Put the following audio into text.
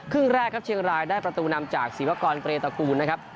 ครึ่งแรกครับเชียงรายได้ประตูนำจากสีวกรเกรตกูลนะครับ